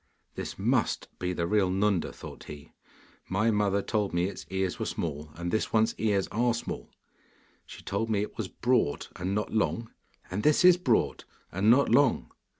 'This MUST be the real Nunda,' thought he. 'My mother told me its ears were small, and this one's are small. She told me it was broad and not long, and this is broad and not long.